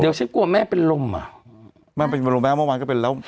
เดี๋ยวฉันกลัวแม่เป็นลมอ่ะแม่เป็นลมแม่เมื่อวานก็เป็นแล้ว